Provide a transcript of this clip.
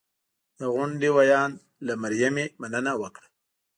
د غونډې ویاند له مریم مننه وکړه